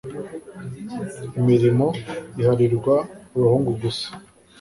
imirimo iharirwa abahungu gusa